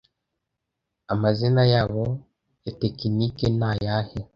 Amazina yabo ya tekiniki ni ayahe